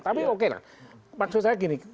tapi oke lah maksud saya gini